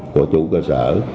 của chủ cơ sở